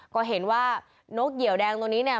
ก็เห็นว่านกเหยียวแดงตัวนี้เนี่ย